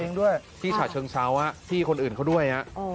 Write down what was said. ดินดินด้วยที่ฉาเชิงเช้าอ่ะที่คนอื่นเขาด้วยอ่ะเออ